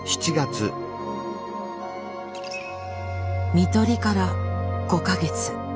看取りから５か月。